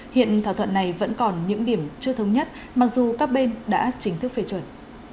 hiện thỏa thuận này vẫn còn những điểm chưa thống nhất mặc dù các bên đã chính thức phê chuẩn